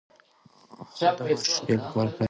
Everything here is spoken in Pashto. خو د معشوقې لپاره کارېدلي